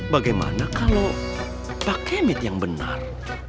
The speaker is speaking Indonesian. bagaimana kalau pak kemet yang benar